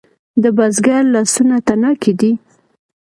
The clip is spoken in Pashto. د بزګر لاسونه تڼاکې دي؟